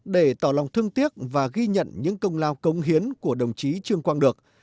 để tỏ lòng thương tiếc và ghi nhận những công lao công hiến của đồng chí trương quang được